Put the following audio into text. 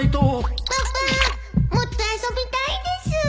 パパもっと遊びたいです